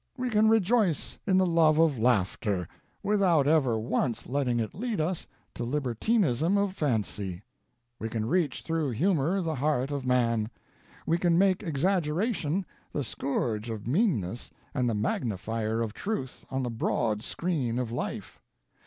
We can rejoice in the love of laughter, without ever once letting it lead us to libertinism of fancy. We can reach through humor the heart of man. We can make exaggeration the scourge of meanness and the magnifier of truth on the broad screen of life.